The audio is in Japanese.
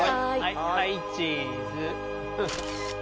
はいチーズ。